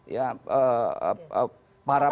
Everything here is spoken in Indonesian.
ya para para